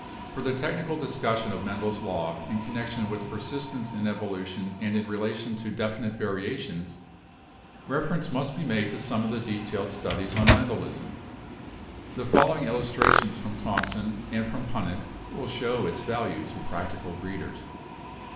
For the technical discussion of Mendel's law in connection with persistence in evolution and in relation to definite varia tions, reference must be made to some of the detailed studies on Mendelism. The following illustrations from Thomson and from Punnett will show its value to prac tical breeders.